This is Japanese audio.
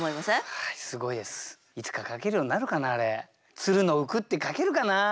「蔓の浮く」って書けるかな？